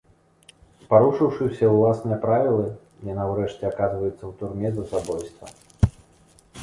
Парушыўшы ўсе ўласныя правілы, яна ўрэшце аказваецца ў турме за забойства.